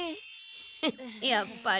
フッやっぱり。